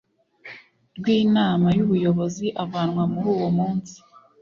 rw Inama y Ubuyobozi avanwa muri uwo munsi